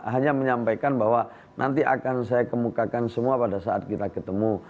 hanya menyampaikan bahwa nanti akan saya kemukakan semua pada saat kita ketemu